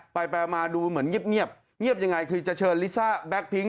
ไปไปมาดูเหมือนเงียบเงียบยังไงคือจะเชิญลิซ่าแก๊กพิ้ง